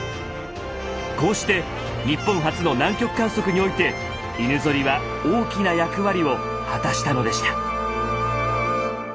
こうして日本初の南極観測において犬ゾリは大きな役割を果たしたのでした。